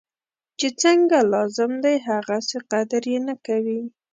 چی څنګه لازم دی هغسې قدر یې نه کوي.